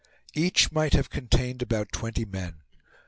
Each might have contained about twenty men.